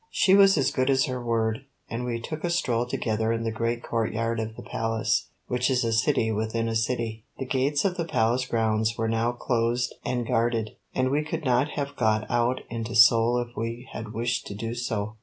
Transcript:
She was as good as her word, and we took a stroll together in the great courtyard of the Palace, which is a city within a city. The gates of the Palace grounds were now closed and guarded, and we could not have got out into Seoul if we had wished to do so.